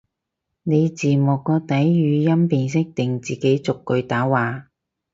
你字幕個底語音辨識定自己逐句打話？